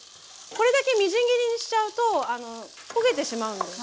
これだけみじん切りにしちゃうと焦げてしまうので。